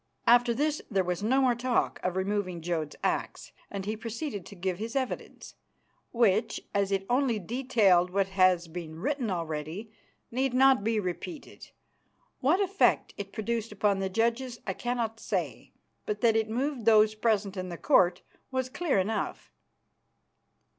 After this there was no more talk of removing Jodd's axe, and he proceeded to give his evidence, which, as it only detailed what has been written already, need not be repeated. What effect it produced upon the judges, I cannot say, but that it moved those present in the Court was clear enough.